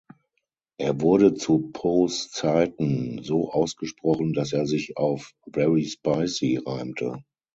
Er wurde zu Poes Zeiten so ausgesprochen, dass er sich auf "very spicy" reimte.